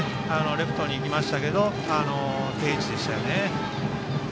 レフトにいきましたけど定位置でしたね。